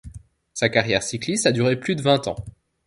Sa carrière cycliste a duré plus de vingt ans.